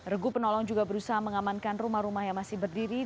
regu penolong juga berusaha mengamankan rumah rumah yang masih berdiri